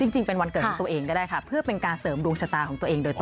จริงเป็นวันเกิดของตัวเองก็ได้ค่ะเพื่อเป็นการเสริมดวงชะตาของตัวเองโดยตรง